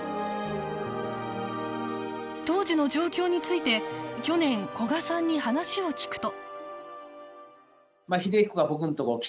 当時の状況について去年古賀さんに話を聞くと